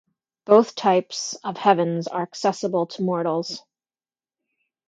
Both types of heavens are accessible to mortals.